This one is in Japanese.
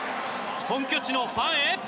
本拠地のファンへ。